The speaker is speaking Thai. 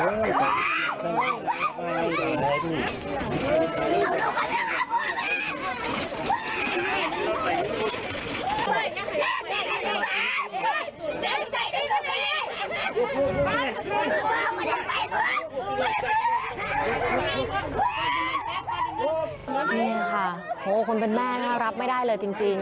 นี่ค่ะโอ้คนเป็นแม่น่ารับไม่ได้เลยจริง